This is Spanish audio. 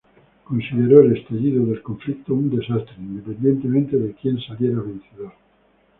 Consideró el estallido del conflicto un desastre, independientemente de quien saliera vencedor.